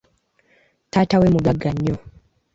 Taata we mugagga nnyo.